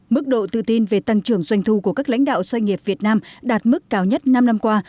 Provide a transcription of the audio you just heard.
mức độ tự tin về tăng trưởng doanh thu của các lãnh đạo doanh nghiệp việt nam đạt mức cao nhất năm năm qua